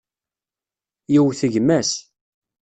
Yewwet gma-s.